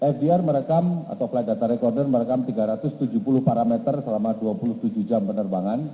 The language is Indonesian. fdr merekam atau flight data recorder merekam tiga ratus tujuh puluh parameter selama dua puluh tujuh jam penerbangan